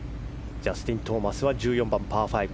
ジャスティン・トーマスは１４番、パー５。